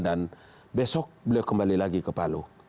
dan besok beliau kembali lagi ke palu